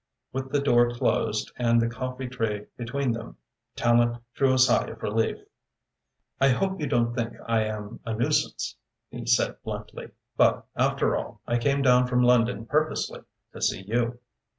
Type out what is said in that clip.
With the door closed and the coffee tray between them, Tallente drew a sigh of relief. "I hope you don't think I am a nuisance," he said bluntly, "but, after all, I came down from London purposely to see you."